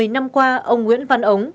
một mươi năm qua ông nguyễn văn ống